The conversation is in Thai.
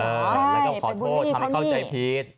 แล้วก็ขอโทษทำให้เข้าใจผิด